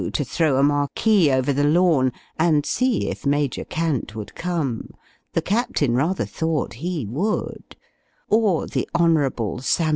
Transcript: to throw a marquee over the lawn, and see if Major Cant would come the Captain rather thought he would; or the Hon. Sam.